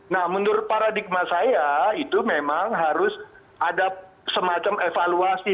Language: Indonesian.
nah menurut paradigma saya itu memang harus ada semacam evaluasi